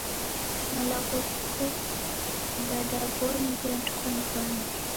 Malagho ghiko mdadambonyi gheandikwa ni w'andu.